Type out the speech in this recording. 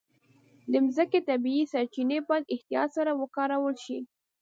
د مځکې طبیعي سرچینې باید احتیاط سره وکارول شي.